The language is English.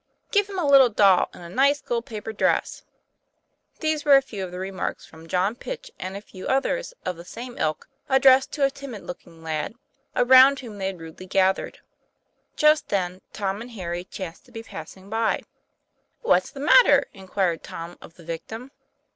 'Give him a little doll, in a nice gold paper dress!" These were a few of the remarks from John Pitch and a few others of the same ilk, addressed to a timid looking lad, around whom they had rudely gathered. Just then Tom and Harry chanced to be passing by. " What's the matter ?" inquired Tom of the victim.